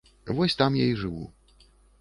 Вось там я і жыву.